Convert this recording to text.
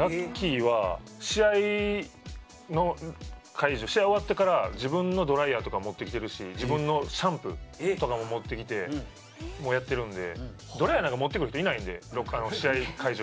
ガッキーは試合終わってから自分のドライヤーとか持ってきてるし、自分のシャンプーとかも持ってきてやってるので、ドライヤーなんか持ってくる人いないので試合会場に。